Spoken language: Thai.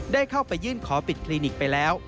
ได้เข้าไปยื่นขอปิดคลินิกไปแล้ว